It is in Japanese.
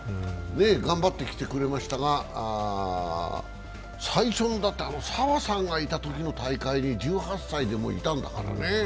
頑張ってきてくれましたが、最初、澤さんがいたときの大会で１８歳でもういたんだからね。